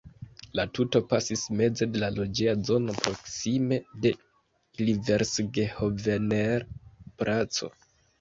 La tuto pasis meze de loĝeja zono proksime de Ilversgehovener-placo.